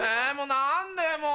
何でもう！